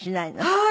はい。